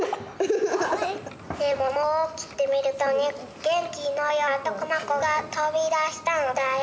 で桃を切ってみるとね元気のよい男の子が飛び出したんだよ。